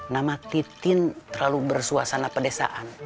nama titin terlalu bersuasana pedesaan